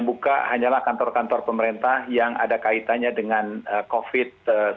buka hanyalah kantor kantor pemerintah yang ada kaitannya dengan covid sembilan belas